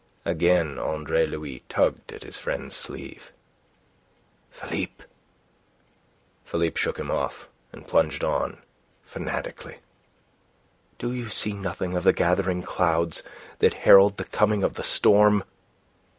Again Andre Louis tugged at his friend's sleeve. "Philippe." Philippe shook him off, and plunged on, fanatically. "Do you see nothing of the gathering clouds that herald the coming of the storm?